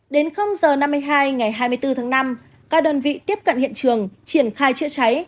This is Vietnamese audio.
đến giờ năm mươi hai ngày hai mươi bốn tháng năm các đơn vị tiếp cận hiện trường triển khai chữa cháy